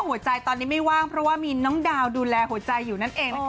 หัวใจตอนนี้ไม่ว่างเพราะว่ามีน้องดาวดูแลหัวใจอยู่นั่นเองนะคะ